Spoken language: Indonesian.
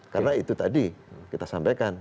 karena itu tadi kita sampaikan